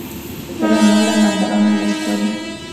Pero no la mandaron a la escuela.